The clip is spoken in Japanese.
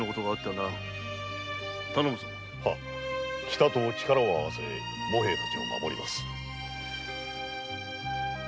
「北」と力を合わせ茂平たちを守ります。